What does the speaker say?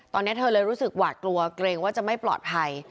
ตอนนี้เธอเลยรู้สึกหวาดกลัวเกรงว่าจะไม่ปลอดภัย